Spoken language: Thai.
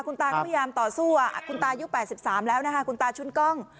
คุณตาก็พยายามต่อสู้คุณตายุ๘๓แล้วนะคะคุณตาชุนกล้อง